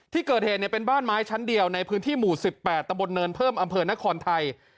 ที่เกิดเหตุเป็นบ้านไม้ชั้นเดียวในพื้นที่หมู่๑๘ตำบลเนินเพิ่มอำเภอนครไทย